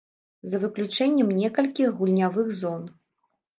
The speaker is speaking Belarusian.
За выключэннем некалькіх гульнявых зон.